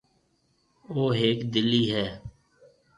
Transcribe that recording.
او هيڪ دِلِي هيَ۔